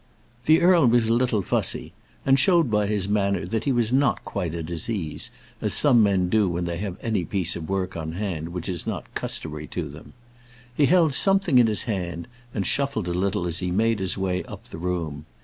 The earl was a little fussy, and showed by his manner that he was not quite at his ease, as some men do when they have any piece of work on hand which is not customary to them. He held something in his hand, and shuffled a little as he made his way up the room.